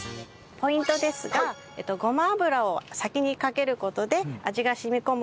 ポイントですがごま油を先にかける事で味が染み込む上照りが出ます。